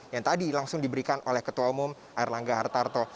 yang tadi langsung diberikan oleh ketua umum erlangga hartarto